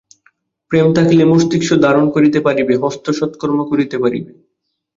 প্রেম থাকিলে মস্তিষ্ক ধারণা করিতে পারিবে, হস্ত সৎকর্ম করিতে পারিবে।